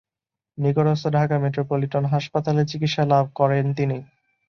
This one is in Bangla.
নিকটস্থ ঢাকা মেট্রোপলিটন হাসপাতালে চিকিৎসা লাভ করেন তিনি।